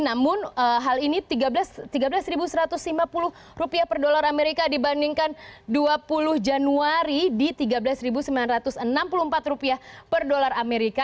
namun hal ini rp tiga belas satu ratus lima puluh per dolar amerika dibandingkan dua puluh januari di rp tiga belas sembilan ratus enam puluh empat rupiah per dolar amerika